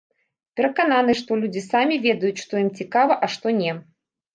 Перакананы, што людзі самі ведаюць, што ім цікава, а што не.